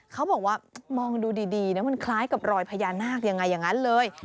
เขาบอกว่ามองดูดีนะมันคล้ายกับรอยพญานาคยังไงอย่างนั้นเลย